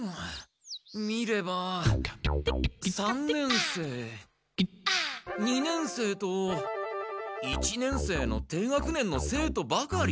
見れば三年生二年生と一年生の低学年の生徒ばかり。